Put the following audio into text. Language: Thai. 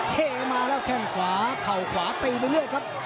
เท่มาแล้วแข้งขวาเข่าขวาตีไปเรื่อยครับ